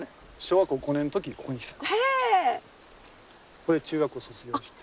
ここで中学校卒業して。